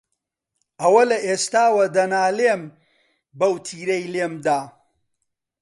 ئەوە لە ئێستاوە دەنالێم، بەو تیرەی لێم دا